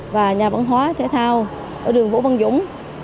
và nhà văn hóa thể thao ở đường vũ văn dũng